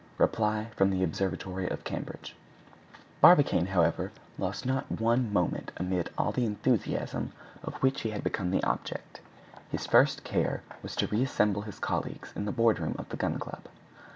REPLY FROM THE OBSERVATORY OF CAMBRIDGE Barbicane, however, lost not one moment amid all the enthusiasm of which he had become the object. His first care was to reassemble his colleagues in the board room of the Gun Club.